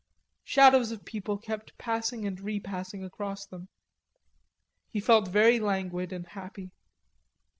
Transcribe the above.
Shadows of people kept passing and repassing across them. He felt very languid and happy.